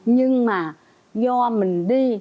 nhưng mà do mình đi